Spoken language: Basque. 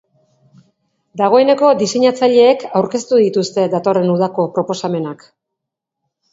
Dagoeneko diseinatzaileek aurkeztu dituzte datorren udako proposamenak.